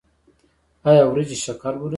ایا وریجې شکر لوړوي؟